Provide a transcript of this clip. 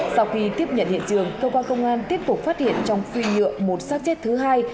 sau khi tiếp nhận hiện trường công an tiếp tục phát hiện trong phi nhựa một sát chết thứ hai